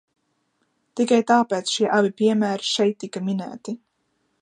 Tikai tāpēc šie abi piemēri šeit tika minēti.